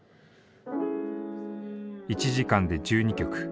１時間で１２曲。